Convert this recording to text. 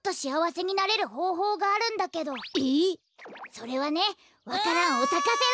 それはねわか蘭をさかせる。